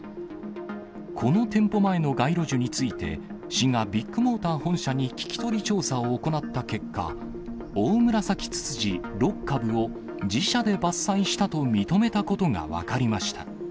この店舗前の街路樹について、市がビッグモーター本社に聞き取り調査を行った結果、オオムラサキツツジ６株を自社で伐採したと認めたことが分かりました。